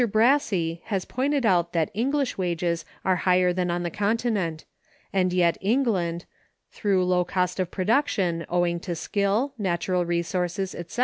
Brassey(217) has pointed out that English wages are higher than on the Continent; and yet England, through low cost of production, owing to skill, natural resources, etc.